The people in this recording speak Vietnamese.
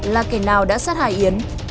là kẻ nào đã sát hại yến